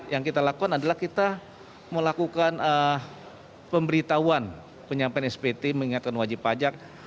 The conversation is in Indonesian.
yang kita lakukan adalah kita melakukan pemberitahuan penyampaian spt mengingatkan wajib pajak